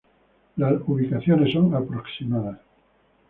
Las ubicaciones son aproximadas.